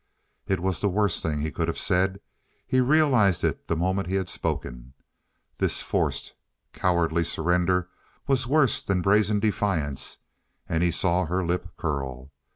It was the worst thing he could have said. He realized it the moment he had spoken. This forced, cowardly surrender was worse than brazen defiance, and he saw her lip curl.